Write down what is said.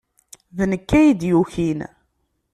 D nekk ay d-yukin.